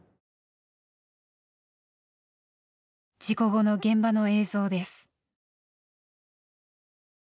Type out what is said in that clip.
事故後の現場の映像です。